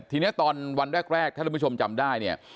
ทีนี้ตอนวันแรกถ้าท่านผู้ชมจำได้เนี่ย